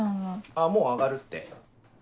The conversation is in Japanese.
あっもう上がるって。